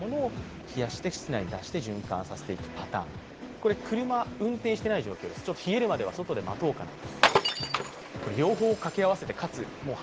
これ、運転していない状況です、冷えるまでは外で待とうかなと。